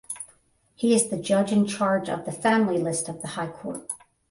He is the judge in charge of the Family List of the High Court.